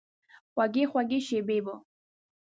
خوږې، خوږې شیبې به،